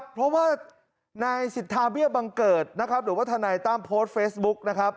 เพราะว่านายสิทธาเบี้ยบังเกิดหรือว่าทนายตั้มโพสต์เฟซบุ๊ก